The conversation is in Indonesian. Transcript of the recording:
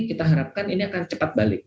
kita harapkan ini akan cepat balik